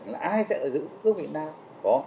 là ai sẽ giữ cơ vị nào